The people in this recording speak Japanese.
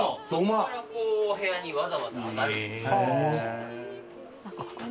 そこからこうお部屋にわざわざ上がるという形に。